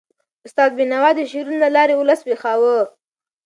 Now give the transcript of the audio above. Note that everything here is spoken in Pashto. استاد بینوا د شعرونو له لارې ولس ویښاوه.